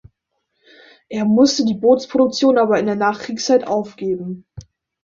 Er musste die Bootsproduktion aber in der Nachkriegszeit aufgeben.